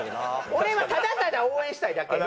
俺はただただ応援したいだけ。